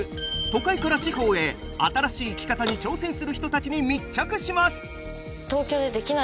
都会から地方へ新しい生き方に挑戦する人たちに密着します。